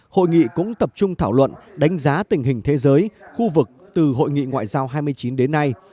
hội nghị cũng tập trung thảo luận đánh giá tình hình thế giới khu vực từ hội nghị ngoại giao hai mươi chín đến nay